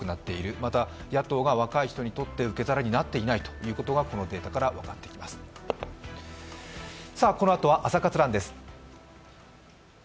また野党が若い人にとって受け皿になっていないということがこのデータで分かっています。